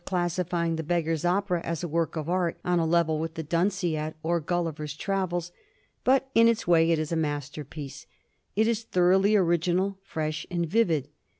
classifying the ' Beggar's Opera ' as a work of art on a level with the * Dunciad ' or ' Gulliver's Travels,' but in its way it is a masterpiece. It is thoroughly original, fresh, and vivid.